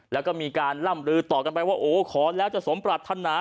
แล้วก็มีการล่ำลือต่อกันไปว่าโอ้ขอแล้วจะสมปรัฐนา